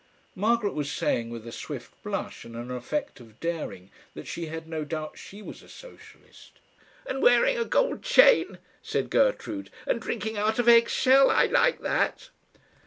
Margaret was saying, with a swift blush and an effect of daring, that she had no doubt she was a socialist. "And wearing a gold chain!" said Gertrude, "And drinking out of eggshell! I like that!"